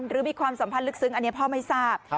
มีความสัมพันธ์ลึกซึ้งอันนี้พ่อไม่ทราบ